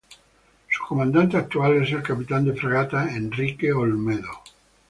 Su comandante actual es el capitán de fragata Enrique Olmedo.